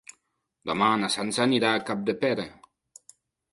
Demà na Sança anirà a Capdepera.